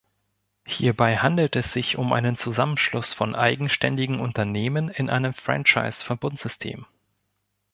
Hierbei handelt es sich um einen Zusammenschluss von eigenständigen Unternehmen in einem Franchise-Verbundsystem.